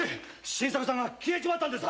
新作さんが消えちまった。